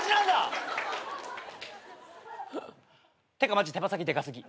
「てかマジ手羽先でか過ぎ」